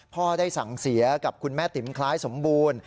พ่อได้สั่งเสียกับคุณแม่ติ๋มคล้ายสมบูรณ์